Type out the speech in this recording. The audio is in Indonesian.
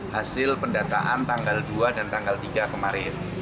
hasil pendataan tanggal dua dan tanggal tiga kemarin